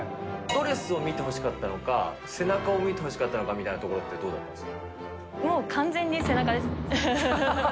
ドレスを見てほしかったのか、背中を見てほしかったのかみたいなところって、もう完全に背中です。